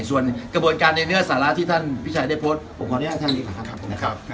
ส่วนกระบวนการในเนื้อสาระที่ท่านพี่ชัยได้พบผมขออนุญาตท่านนี้ครับ